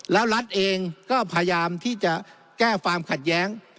แล้วรัฐเองก็พยายามที่จะแก้ความขัดแย้ง